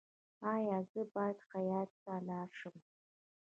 ایا زه باید خیاط ته لاړ شم؟